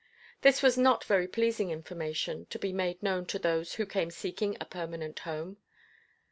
This was not very pleasing information to be made known to those who came seeking a permanent home.